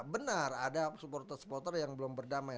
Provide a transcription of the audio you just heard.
benar ada supporter supporter yang belum berdamai